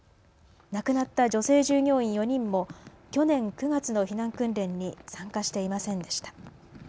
亡くなった女性従業員４人も去年９月の避難訓練に参加していませんでした。